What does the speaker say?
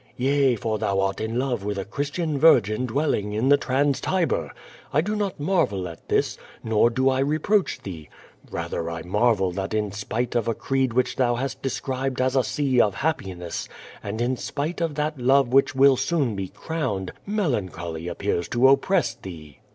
"Yea, for thou art in love with a Christian Virgin dwelling in the Trans Tiber. I do not marvel at this, nor do I re proach thee. Rather I marvel that in spite of a creed which thou hast described as a sea of happiness, and in spite of that love which will soon be crowned, melancholy appears to op press thee.